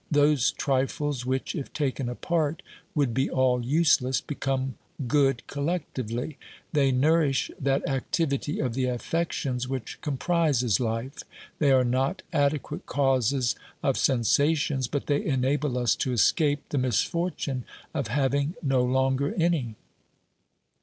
Those trifles which, if taken apart, would be all useless, become good collectively ; they nourish that activity of the affections which comprises life. They are not adequate causes of sensations, but they enable us to escape the misfortune of having no longer any.